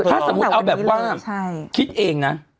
ถ้าสมมุติเอาแบบว่าคิดเองนะ